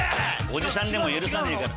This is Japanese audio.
おじさんでも許さねえから。